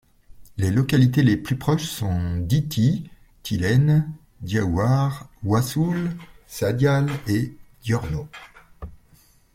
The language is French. Les localités les plus proches sont Nditi, Tilene, Diaouar, Ouassoul, Sadiale et Diorno.